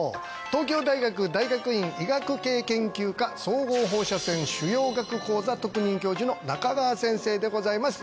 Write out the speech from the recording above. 東京大学大学院医学系研究科総合放射線腫瘍学講座特任教授の中川先生でございます